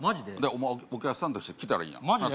お前お客さんとして来たらいいマジで？